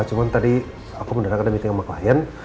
cuma tadi aku mendarat ada meeting sama klien